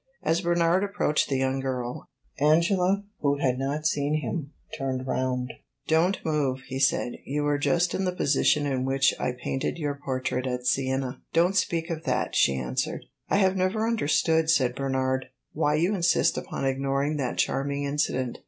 As Bernard approached the young girl, Angela, who had not seen him, turned round. "Don't move," he said. "You were just in the position in which I painted your portrait at Siena." "Don't speak of that," she answered. "I have never understood," said Bernard, "why you insist upon ignoring that charming incident."